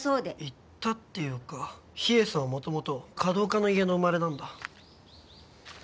行ったっていうか秘影さんはもともと華道家の家の生まれなんだ。